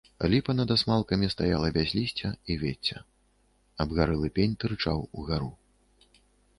Ліпа над асмалкамі стаяла без лісця і вецця, абгарэлы пень тырчаў угару.